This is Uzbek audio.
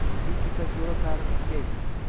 Buyuk ipak yoʻli tarixi tugaydi.